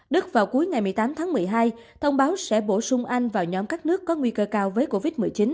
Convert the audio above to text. đức vào cuối ngày một mươi tám tháng một mươi hai thông báo sẽ bổ sung anh vào nhóm các nước có nguy cơ cao với covid một mươi chín